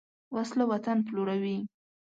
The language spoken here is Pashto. وسله وطن پلوروي